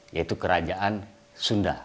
yaitu kerajaan sunda